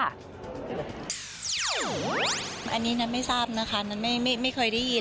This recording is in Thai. อันนี้นัทไม่ทราบนะคะนัทไม่เคยได้ยิน